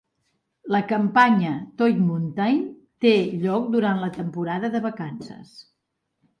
La campanya Toy Mountain té lloc durant la temporada de vacances.